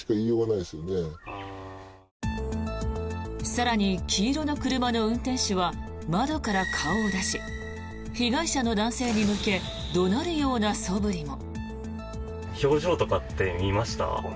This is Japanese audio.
更に黄色の車の運転手は窓から顔を出し被害者の男性に向け怒鳴るようなそぶりも。